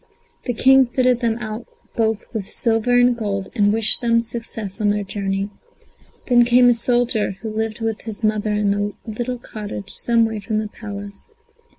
The King fitted them out both with silver and gold, and wished them success on their journey. Then came a soldier, who lived with his mother in a little cottage some way from the Palace.